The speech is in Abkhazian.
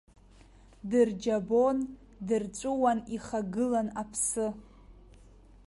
Дырџьабон, дырҵәыуан ихагылан аԥсы.